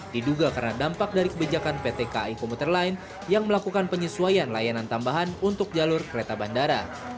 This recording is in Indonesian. diduga karena dampak dari kebijakan pt kai komuter line yang melakukan penyesuaian layanan tambahan untuk jalur kereta bandara